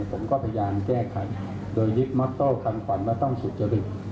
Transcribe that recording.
ผมก็พยายามแก้ขัดโดยลิฟต์มัตต์โต้คำขวัญว่าต้องสุจริง